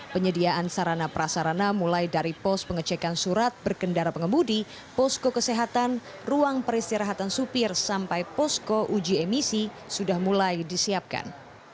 penyediaan sarana prasarana mulai dari pos pengecekan surat berkendara pengemudi posko kesehatan ruang peristirahatan supir sampai posko uji emisi sudah mulai disiapkan